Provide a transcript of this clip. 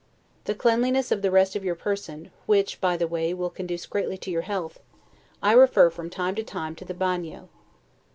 The cleanliness of the rest of your person, which, by the way, will conduce greatly to your health, I refer from time to time to the bagnio.